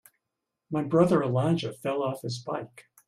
My brother Elijah fell off his bike.